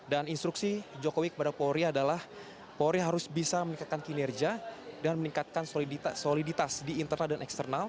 dan instruksi jokowi kepada polri adalah polri harus bisa meningkatkan kinerja dan meningkatkan soliditas di internal dan eksternal